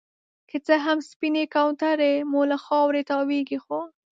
که څه هم سپينې کونترې مو له خاورې تاويږي ،خو